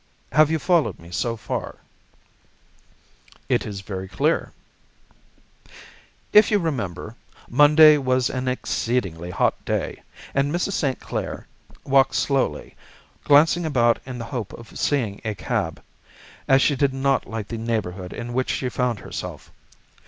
Have you followed me so far?" "It is very clear." "If you remember, Monday was an exceedingly hot day, and Mrs. St. Clair walked slowly, glancing about in the hope of seeing a cab, as she did not like the neighbourhood in which she found herself.